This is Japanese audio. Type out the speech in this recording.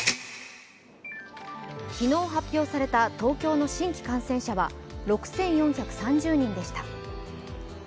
昨日発表された東京の新規感染者は６４３０人でした。